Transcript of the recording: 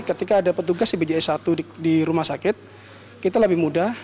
ketika ada petugas di bjs satu di rumah sakit kita lebih mudah